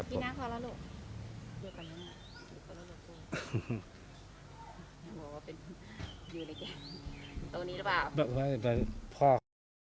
เป็นลูกสลาน